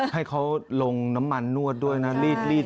ให้เขาลงน้ำมันนวดด้วยนะรีด